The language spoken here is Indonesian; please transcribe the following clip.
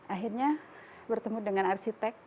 akhirnya bertemu dengan arsitek